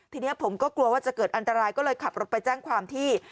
ทีนี้ผมก็กลัวว่าจะเกิดอันตรายก็เลยขับรถไปแจ้งความที่